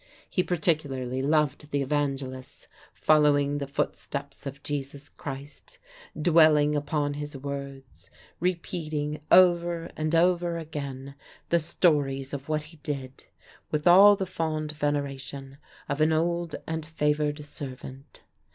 He particularly loved the evangelists, following the footsteps of Jesus Christ, dwelling upon his words, repeating over and over again the stories of what he did, with all the fond veneration of an old and favored servant.